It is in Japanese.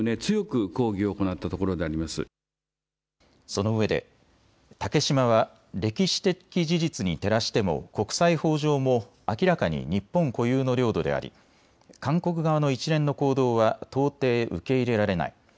そのうえで竹島は歴史的事実に照らしても国際法上も明らかに日本固有の領土であり韓国側の一連の行動は到底受け入れられない。